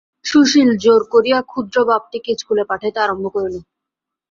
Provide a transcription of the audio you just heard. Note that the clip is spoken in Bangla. সুশীল জোর করিয়া ক্ষুদ্র বাপটিকে স্কুলে পাঠাইতে আরম্ভ করিল।